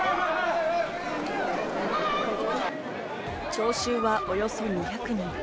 聴衆はおよそ２００人。